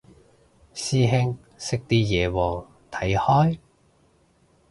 師兄識啲嘢喎，睇開？